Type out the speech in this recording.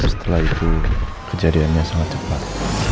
setelah itu kejadiannya sangat cepat